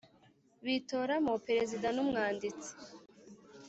bitoramo perezida n umwanditsi